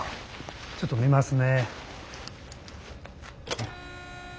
ちょっと見ますね。